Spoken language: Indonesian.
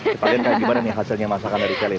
kita liat gimana nih hasilnya masakan dari celine